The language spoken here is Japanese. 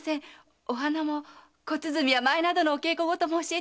お花も小鼓や舞などのお稽古事も教えていただきたいのです。